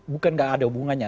bukan tidak ada hubungannya